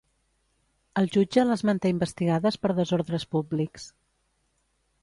El jutge les manté investigades per desordres públics.